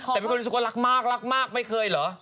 แต่เป็นคนรู้สึกว่ารักมากรักมากไม่เคยเหรอ